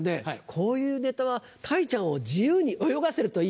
こういうネタはたいちゃんを自由に泳がせるといいね。